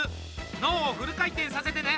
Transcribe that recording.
脳をフル回転させてね。